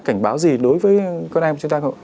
cảnh báo gì đối với con em chúng ta không